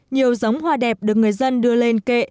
nhiều giống hoa đẹp được người dân đưa lên kệ